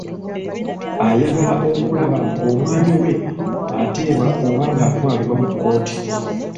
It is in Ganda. Ayagala okulaba ng'omwami we ateebwa oba atwalibwa mu kkooti.